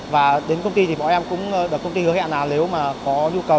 và đến công ty thì bọn em cũng được công ty hứa hẹn là nếu mà có nhu cầu